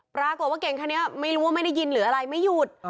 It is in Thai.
ปรากฏว่าเก่งคันนี้ไม่รู้ว่าไม่ได้ยินหรืออะไรไม่หยุด